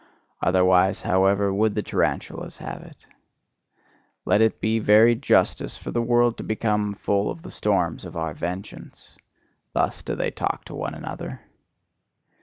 Otherwise, however, would the tarantulas have it. "Let it be very justice for the world to become full of the storms of our vengeance" thus do they talk to one another.